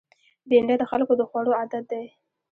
بېنډۍ د خلکو د خوړو عادت دی